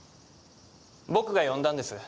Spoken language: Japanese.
僕が呼んだんです。